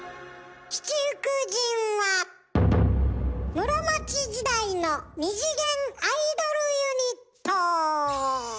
七福神は室町時代の２次元アイドルユニット。